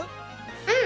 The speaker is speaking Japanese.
うん！